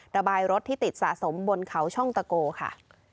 ระบายรถที่ติดสะสมบนเขาช่องตะโกค่ะ